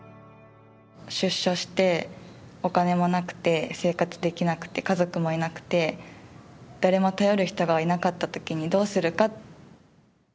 出所してお金もなくて生活できなくて家族もいなくて誰も頼る人がいなかったときにどうするか。